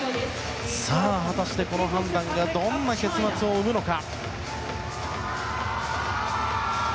果たして、この判断がどんな結末を生むのか。